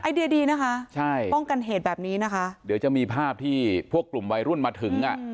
เดียดีนะคะใช่ป้องกันเหตุแบบนี้นะคะเดี๋ยวจะมีภาพที่พวกกลุ่มวัยรุ่นมาถึงอ่ะ